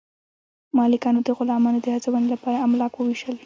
مالکانو د غلامانو د هڅونې لپاره املاک وویشل.